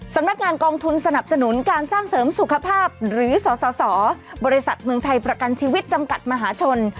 สำนักงานกองทุนสนับสนุนการสร้างเสริมสุขภาพหรือสสบริษัทเมืองไทยประกันชีวิตจำกัดมหาชน